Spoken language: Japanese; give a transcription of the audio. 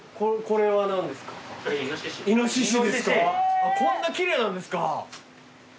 こんな奇麗なんですか！